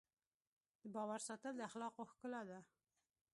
د باور ساتل د اخلاقو ښکلا ده.